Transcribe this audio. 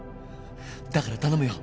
だから頼むよ。